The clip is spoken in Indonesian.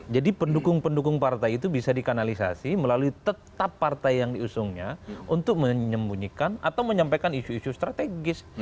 jadi pendukung pendukung partai itu bisa dikanalisasi melalui tetap partai yang diusungnya untuk menyembunyikan atau menyampaikan isu isu strategis